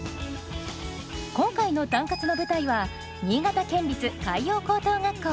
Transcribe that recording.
今回の「タンカツ」の舞台は新潟県立海洋高等学校。